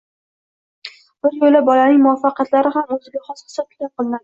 biryo‘la bolaning muvaffaqiyatlari ham o‘ziga xos hisob-kitob qilinadi.